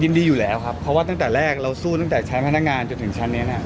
ดีอยู่แล้วครับเพราะว่าตั้งแต่แรกเราสู้ตั้งแต่ชั้นพนักงานจนถึงชั้นนี้น่ะ